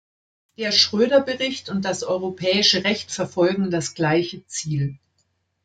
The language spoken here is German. Der Schröder-Bericht und das europäische Recht verfolgen das gleiche Ziel.